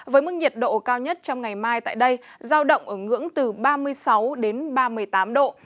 với mức nhiệt độ cao nhất trong ngày mai tại đây giao động ở ngưỡng từ ba mươi sáu độ